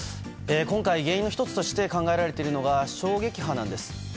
今回原因の１つとして考えられているのが衝撃波です。